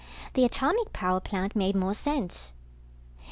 The atomic power plant made more sense.